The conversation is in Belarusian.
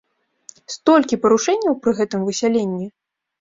Столькі парушэнняў пры гэтым высяленні!